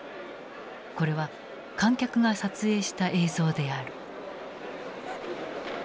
これは観客が撮影した映像である。